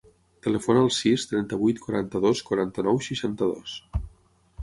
Telefona al sis, trenta-vuit, quaranta-dos, quaranta-nou, seixanta-dos.